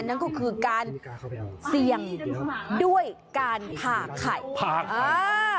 นั่นก็คือการเสี่ยงด้วยการผ่าไข่ผ่าอ่า